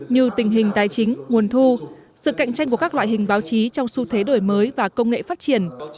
như tình hình tài chính nguồn thu sự cạnh tranh của các loại hình báo chí trong xu thế đổi mới và công nghệ phát triển